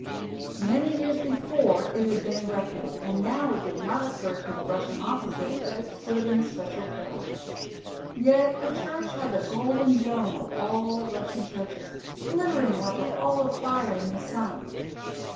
Many years before it had been erected, and now it did not occur to the Russian officers that it stood in especial peril. Yet the church had the golden dome of all Russian churches, glittering like a ball of fire in the sun.